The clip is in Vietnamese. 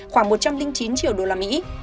khoảng một trăm linh chín triệu đô la mỹ